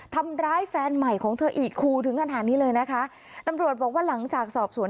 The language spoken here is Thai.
ทำร้ายแฟนใหม่ของเธออีกคู่ถึงขนาดนี้เลยนะคะตำรวจบอกว่าหลังจากสอบสวน